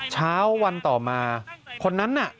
เช้าวันต่อมาคนนั้นน่ะ